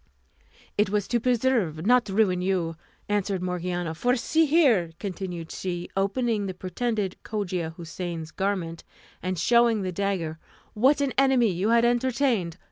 "It was to preserve, not to ruin you," answered Morgiana; "for see here," continued she, opening the pretended Cogia Houssain's garment, and showing the dagger, "what an enemy you had entertained?